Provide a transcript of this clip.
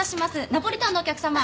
ナポリタンのお客さま？